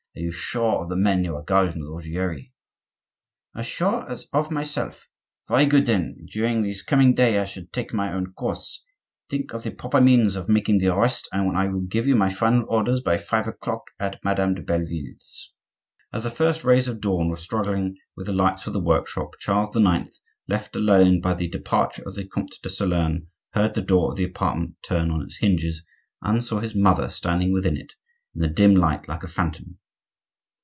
Are you sure of the men who are guarding the Ruggieri?" "As sure as of myself." "Very good; then, during this coming day I shall take my own course. Think of the proper means of making the arrest, and I will give you my final orders by five o'clock at Madame de Belleville's." As the first rays of dawn were struggling with the lights of the workshop, Charles IX., left alone by the departure of the Comte de Solern, heard the door of the apartment turn on its hinges, and saw his mother standing within it in the dim light like a phantom.